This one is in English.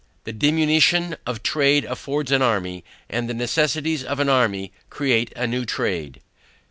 The diminution of trade affords an army, and the necessities of an army create a new trade.